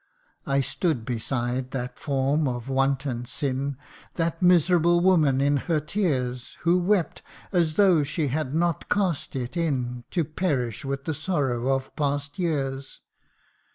I stood beside that form of want and sin, That miserable woman in her tears ; Who wept, as though she had not cast it in To perish with the sorrows of past years.